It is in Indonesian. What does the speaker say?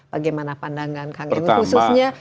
bagaimana pandangan kang emil khususnya